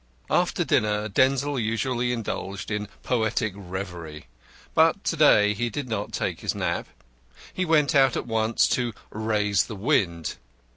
After dinner Denzil usually indulged in poetic reverie. But to day he did not take his nap. He went out at once to "raise the wind."